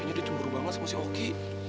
kayaknya dia juru banget sama si ogi